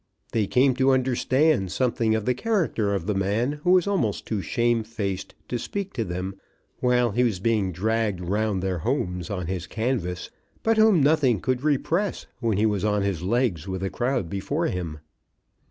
They came to understand something of the character of the man who was almost too shame faced to speak to them while he was being dragged round to their homes on his canvas, but whom nothing could repress when he was on his legs with a crowd before him.